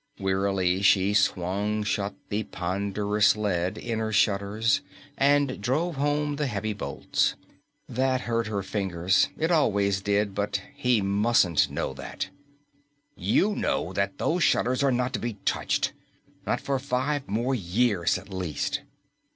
Wearily she swung shut the ponderous lead inner shutters and drove home the heavy bolts. That hurt her fingers; it always did, but he mustn't know that. "You know that those shutters are not to be touched! Not for five more years at least!"